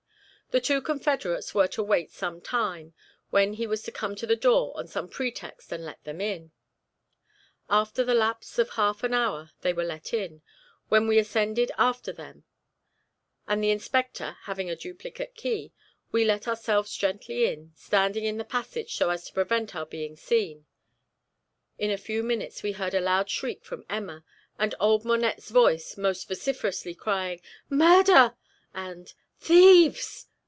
The two confederates were to wait some time, when he was to come to the door on some pretext and let them in. After the lapse of half an hour they were let in, when we ascended after them, and the inspector, having a duplicate key, we let ourselves gently in, standing in the passage, so as to prevent our being seen; in a few minutes we heard a loud shriek from Emma, and old Monette's voice most vociferously crying "Murder!" and "Thieves!"